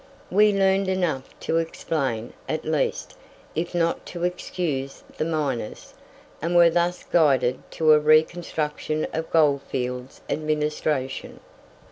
We learned enough to explain, at least, if not to excuse the miners; and were thus guided to a reconstruction of goldfields administration.